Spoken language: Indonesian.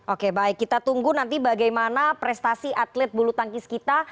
oke baik kita tunggu nanti bagaimana prestasi atlet bulu tangkis kita